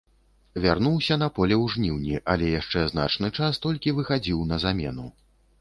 Вярнуўся на поле ў жніўні, але яшчэ значны час толькі выхадзіў на замену.